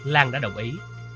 lan đã đồng ý